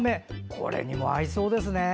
これにも合いそうですね。